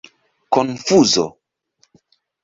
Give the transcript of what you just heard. konfuzo